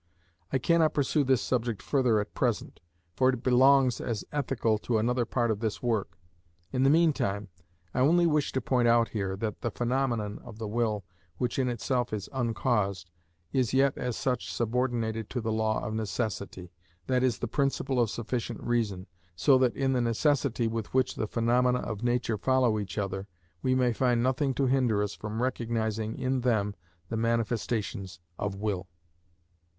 I cannot pursue this subject further at present, for it belongs, as ethical, to another part of this work. In the meantime, I only wish to point out here that the phenomenon of the will which in itself is uncaused, is yet as such subordinated to the law of necessity, that is, the principle of sufficient reason, so that in the necessity with which the phenomena of nature follow each other, we may find nothing to hinder us from recognising in them the manifestations of will.